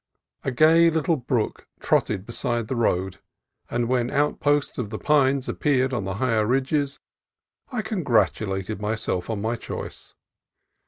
A gay little brook trotted beside the road, and when outposts of the pines appeared on the higher ridges, I congratulated myself on my choice.